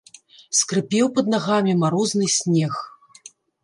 Скрыпеў пад нагамі марозны снег.